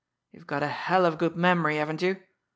You've got a hell of a good memory, haven't you!